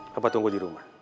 papa tunggu di rumah